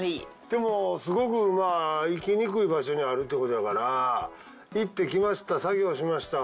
でもすごく行きにくい場所にあるってことやから行ってきました作業しました。